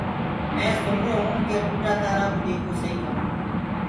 مينٚ سُرو هونٚ ڪي ٽوٽآ تآرآ ڪوُ ديگھوآ سئي ڪونآ۔